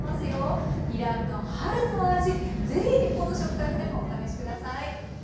イランの春の味是非日本の食卓でもお試し下さい。